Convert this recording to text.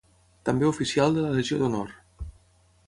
També oficial de la Legió d’Honor.